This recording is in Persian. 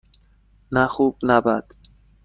نه خوب - نه بد.